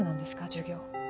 授業。